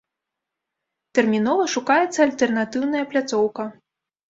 Тэрмінова шукаецца альтэрнатыўная пляцоўка.